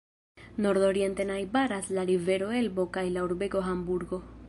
Nordoriente najbaras la rivero Elbo kaj la urbego Hamburgo.